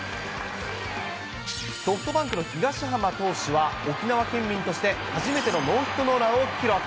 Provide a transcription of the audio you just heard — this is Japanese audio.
ソフトバンクの東浜投手は沖縄県民として初めてのノーヒットノーランを記録。